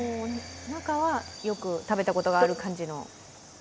中はよく食べたことがある感じの？